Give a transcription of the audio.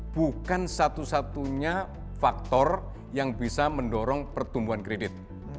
bukan satu satunya faktor yang bisa mendorong pertumbuhan kredit